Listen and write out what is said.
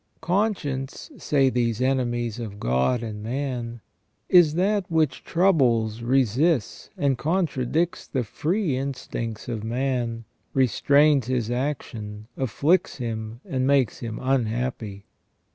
Conscience, say these enemies of God and man, is that which troubles, resists, and contradicts the free instincts of man, restrains his action, afflicts him and makes him unhappy.